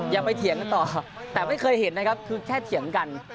อย่าไปเถียงกันต่อแต่ไม่เคยเห็นนะครับคือแค่เถียงกัน